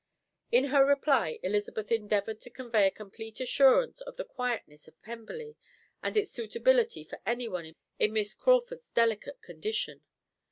In her reply Elizabeth endeavoured to convey a complete assurance of the quietness of Pemberley and its suitability for anyone in Miss Crawford's delicate condition.